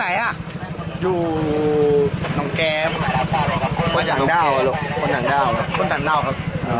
โปรดติดตามตอนต่อไป